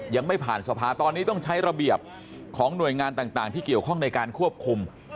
ยังไม่ผ่านสภาตอนนี้ต้องใช้ระเบียบของหน่วยงานต่างที่เกี่ยวข้องในการควบคุม